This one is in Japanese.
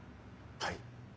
はい。